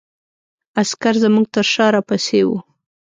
عسکر زموږ تر شا را پسې وو.